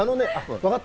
わかった！